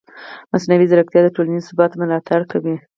مصنوعي ځیرکتیا د ټولنیز ثبات ملاتړ کوي.